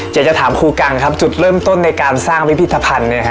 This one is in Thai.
อยากจะถามครูกังครับจุดเริ่มต้นในการสร้างพิพิธภัณฑ์นะฮะ